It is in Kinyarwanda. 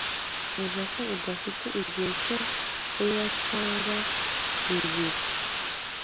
Ntekereza ko dufite igihe cyo kunywa cyangwa bibiri.